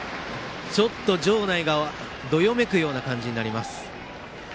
ちょっと場内がどよめくような感じになりました。